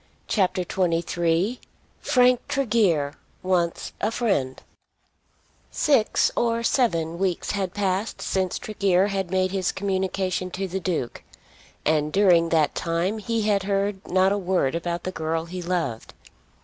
CHAPTER XXIII Frank Tregear Wants a Friend Six or seven weeks had passed since Tregear had made his communication to the Duke, and during that time he had heard not a word about the girl he loved.